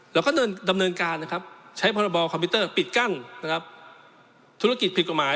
เราก็ดำเนินการนะครับใช้พรบคอมพิวเตอร์ปิดกั้นธุรกิจผิดกฎหมาย